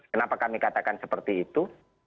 kenapa kami katakan seperti itu